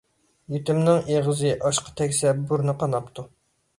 يېتىمنىڭ ئېغىزى ئاشقا تەگسە بۇرنى قاناپتۇ.